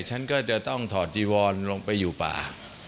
ฉันก็จะต้องถอดจีวอนลงไปอยู่ป่า